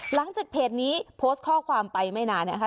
หลังจากเพจนี้โพสต์ข้อความไปไม่นานนะคะ